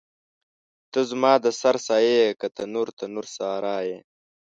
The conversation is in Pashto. ته زما د سر سایه یې که تنور، تنور سارا یې